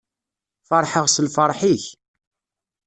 Ferḥeɣ s lferḥ-ik.